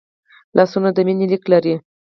لاسونه د مینې لیک لري